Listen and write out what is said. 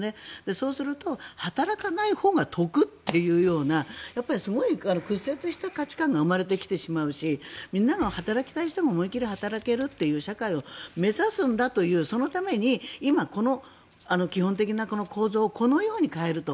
そうすると、働かないほうが得っていうようなすごい屈折した価値観が生まれてきてしまうしみんな働きたい人が思い切り働けるという社会を目指すんだという、そのために今、基本的なこの構造をこのように変えると。